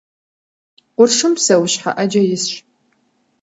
Къуршым псэущхьэ Ӏэджэ исщ.